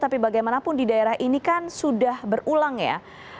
tapi bagaimanapun di daerah ini kan sudah berulang ya